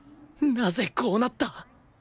なぜこうなった？